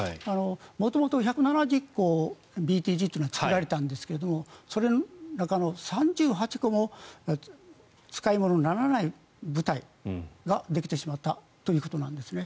元々１７０個ＢＴＧというのが作られたのですがその中の３８個も使い物にならない部隊ができてしまったということなんですね。